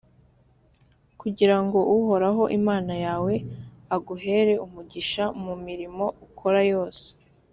kugira ngo uhoraho imana yawe aguhere umugisha mu mirimo ukora yose.